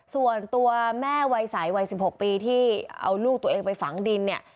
ส่วนตัวแม่วัยใสวัย๑๖ปีที่เอาลูกตัวเองไปฝังดินเนี่ย